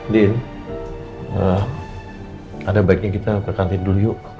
din ada baiknya kita ke kantin dulu yuk